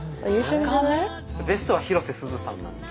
ベストは広瀬すずさんなんです。